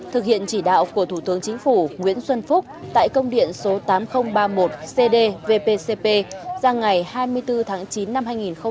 thực hiện chỉ đạo của thủ tướng chính phủ nguyễn xuân phúc tại công điện số tám nghìn ba mươi một cd vpcp ra ngày hai mươi bốn tháng chín năm hai nghìn một mươi bảy